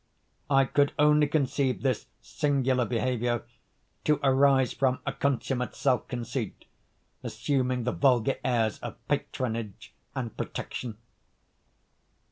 I could only conceive this singular behavior to arise from a consummate self conceit assuming the vulgar airs of patronage and protection.